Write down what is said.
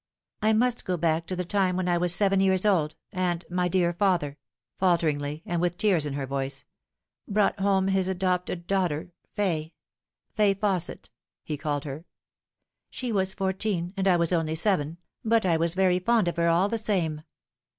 " I must go back to the time when I was seven years old, and my dear father," falteringly, and with tears in her voice, " brought home his adopted daughter, Fay Fay Fausset, he called her. She was fourteen and I was only seven, but I was very fond of her all the same.